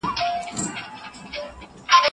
تر نیمو شپو دباندې مه ګرځه مئینه